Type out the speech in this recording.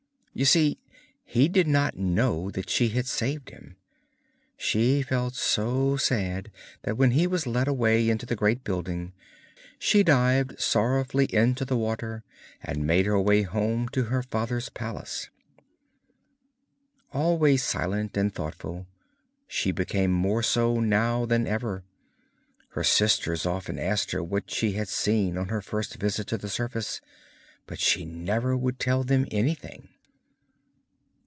You see he did not know that she had saved him. She felt so sad that when he was led away into the great building she dived sorrowfully into the water and made her way home to her father's palace. Always silent and thoughtful, she became more so now than ever. Her sisters often asked her what she had seen on her first visit to the surface, but she never would tell them anything.